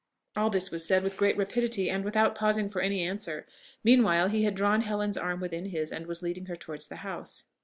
All this was said with great rapidity, and without pausing for any answer. Meanwhile he had drawn Helen's arm within his, and was leading her towards the house.